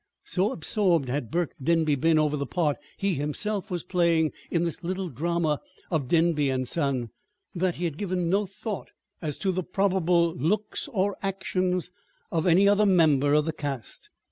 So absorbed had Burke Denby been over the part he himself was playing in this little drama of Denby and Son, that he had given no thought as to the probable looks or actions of any other member of the cast.